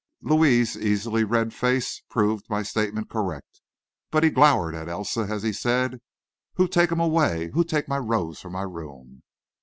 Louis's easily read face proved my statement correct, but he glowered at Elsa, as he said: "Who take him away? who take my rose from my room."